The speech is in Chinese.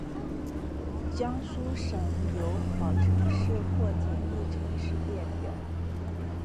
江苏省友好城市或姐妹城市列表